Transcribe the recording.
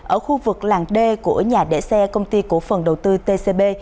ở khu vực làng d của nhà để xe công ty cổ phần đầu tư tcb